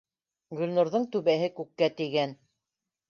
Гөлнурҙың түбәһе күккә тейгән.